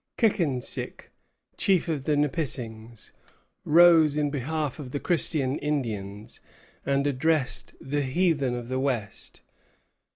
Kikensick, chief of the Nipissings, rose in behalf of the Christian Indians, and addressed the heathen of the west.